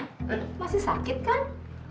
masih sakit kan